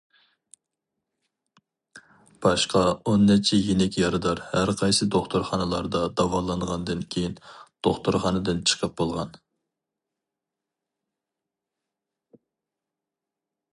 باشقا ئون نەچچە يېنىك يارىدار ھەرقايسى دوختۇرخانىلاردا داۋالانغاندىن كېيىن دوختۇرخانىدىن چىقىپ بولغان.